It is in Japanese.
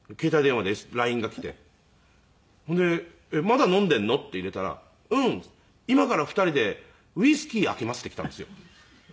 で「まだ飲んでいるの？」って入れたら「うん。今から２人でウイスキー開けます」って来たんですよ。